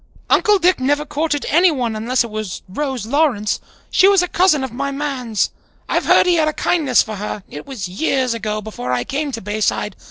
Uncle Dick never courted anyone, unless it was Rose Lawrence. She was a cousin of my man's. I've heard he had a kindness for her; it was years ago, before I came to Bayside.